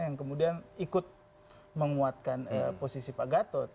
yang kemudian ikut menguatkan posisi pak gatot